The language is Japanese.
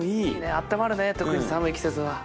温まるね特に寒い季節は。